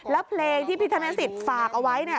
แล้วเพลงที่พี่ธนสิทธิ์ฝากเอาไว้เนี่ย